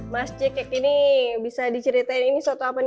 mas jeket ini bisa diceritain ini soto apa nih